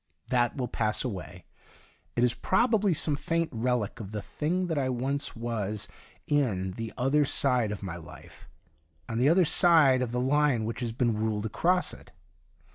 That will pass away ; it is probably some faint relic of the thing that I once was in the other side of my life on the other side of the line which has been ruled across it.